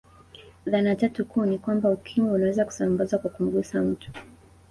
Dhana tatu kuu ni kwamba Ukimwi unaweza kusambazwa kwa kumgusa mtu